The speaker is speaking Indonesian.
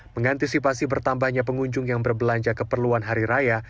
mengantisipasi bertambahnya pengunjung yang berbelanja keperluan hari raya